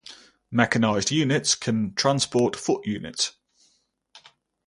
Mechanized units can "transport" foot units.